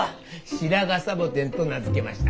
シラガサボテンと名付けました。